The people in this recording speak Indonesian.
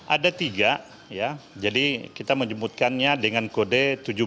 ada tiga jadi kita menjemputkannya dengan kode seribu tujuh ratus tujuh puluh